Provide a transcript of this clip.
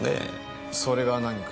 それが何か？